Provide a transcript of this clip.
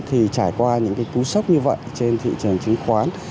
trải qua những cú sốc như vậy trên thị trường chứng khoán